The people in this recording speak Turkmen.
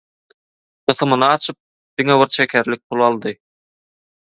Gysymyny açyp diňe bir çekerlik puly aldy